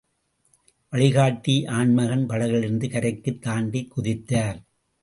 வழிகாட்டி ஆண்மகன் படகிலிருந்து கரைக்குத் தாண்டிக் குதித்தார்.